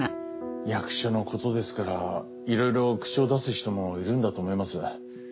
役所のことですからいろいろ口を出す人もいるんだと思います。